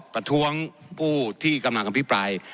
ประท้วงผู้ที่กำลังอภิปราย